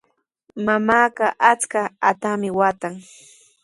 Mamaaqa achka haatami waatan.